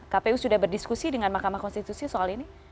kpu sudah berdiskusi dengan mk soal ini